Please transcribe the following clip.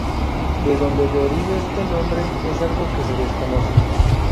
De dónde derive este nombre es algo que se desconoce.